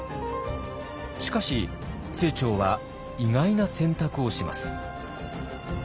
しかし清張は意外な選択をします。